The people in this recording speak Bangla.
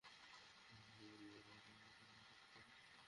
সেটা নির্ভর করছে আমরা কার ভূতকে ডাকবো তার ওপর।